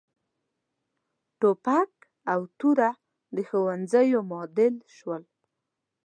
ټوپک او توره د ښوونځیو معادل شول.